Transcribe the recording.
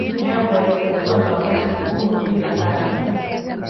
jaguar zimekuwa na wakati mgumu juu ya karne